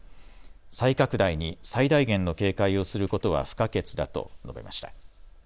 再拡大に最大限の警戒をすることは不可欠だと述べました。